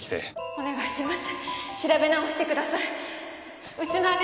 お願いします！